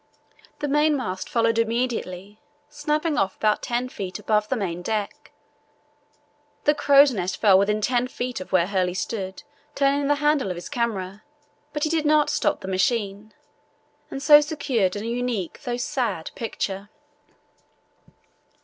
The main mast followed immediately, snapping off about 10 ft. above the main deck. The crow's nest fell within 10 ft. of where Hurley stood turning the handle of his camera, but he did not stop the machine, and so secured a unique, though sad, picture.